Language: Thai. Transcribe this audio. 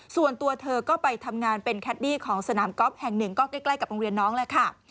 ส่วนตัวเธอก็ไปทำงานเป็นแคดดี้ของสนามกอล์ฟแห่งหนึ่งก็ใกล้กับโรงเรียนน้องแหละค่ะ